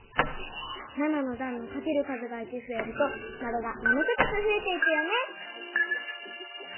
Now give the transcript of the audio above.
７のだんのかける数が１ふえるとマルが７こずつふえていくよね。